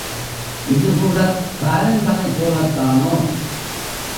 இது கூடத் தாரன் கதை போலத்தானோ?